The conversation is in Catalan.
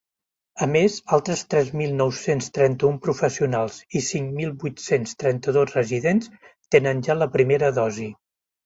A més, altres tres mil nou-cents trenta-un professionals i cinc mil vuit-cents trenta-dos residents tenen ja la primera dosi.